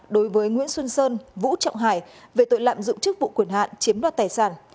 đối với nguyễn xuân sơn vũ trọng hải về tội lạm dụng chức vụ quyền hạn chiếm đoạt tài sản